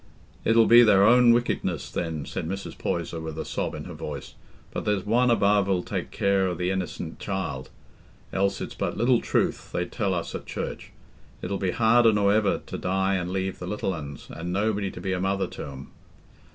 "It'll be their own wickedness, then," said Mrs. Poyser, with a sob in her voice. "But there's One above 'ull take care o' the innicent child, else it's but little truth they tell us at church. It'll be harder nor ever to die an' leave the little uns, an' nobody to be a mother to 'em."